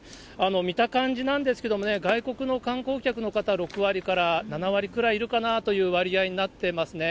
見た感じなんですけれどもね、外国の観光客の方６割から７割くらいいるかなという割合になっていますね。